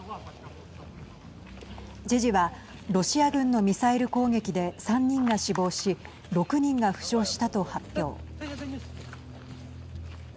知事はロシア軍のミサイル攻撃で３人が死亡し６人が負傷したと発表。